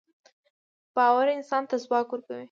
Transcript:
باورانسان ته ځواک ورکوي